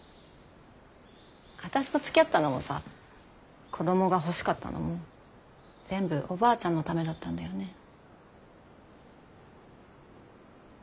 私とつきあったのもさ子どもが欲しかったのも全部おばあちゃんのためだったんだよね。